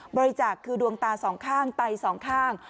บริจาคคือดวงตาสองข้างไตสองข้าง